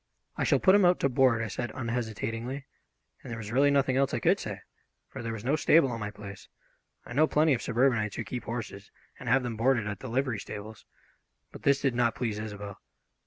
"I shall put him out to board," I said unhesitatingly, and there was really nothing else I could say, for there was no stable on my place. I know plenty of suburbanites who keep horses and have them boarded at the livery stables. But this did not please Isobel.